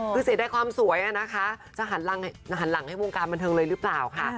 คือเสียดายความสวยอะนะคะจะหันหลังให้วงการบันเทิงเลยหรือเปล่าค่ะ